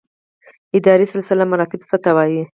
اداري سلسله مراتب څه ته وایي؟